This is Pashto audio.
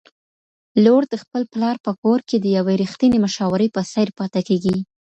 لورد خپل پلار په کور کي د یوې رښتینې مشاورې په څېر پاته کيږي